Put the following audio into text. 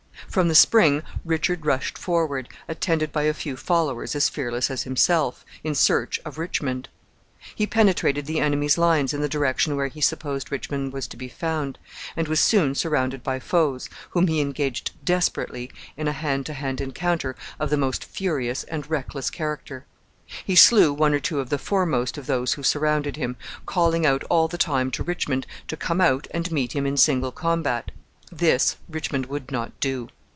From the spring Richard rushed forward, attended by a few followers as fearless as himself, in search of Richmond. He penetrated the enemies' lines in the direction where he supposed Richmond was to be found, and was soon surrounded by foes, whom he engaged desperately in a hand to hand encounter of the most furious and reckless character. He slew one or two of the foremost of those who surrounded him, calling out all the time to Richmond to come out and meet him in single combat. This Richmond would not do.